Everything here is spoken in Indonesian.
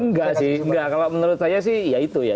enggak sih enggak kalau menurut saya sih ya itu ya